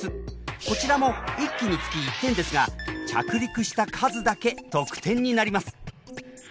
こちらも１機につき１点ですが着陸した数だけ得点になります。